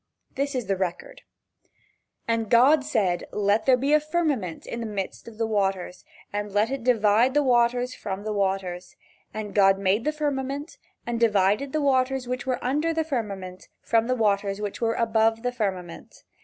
This is the record: "And God said: Let there be a firmament in the midst of the waters, and let it divide the waters from the waters. And God made the firmament and divided the waters which were under the firmament from the waters which were above the firmament.